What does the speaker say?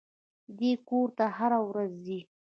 دى کور ته هره ورځ ځي.